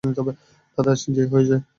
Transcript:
দাদা যে হয়েছে।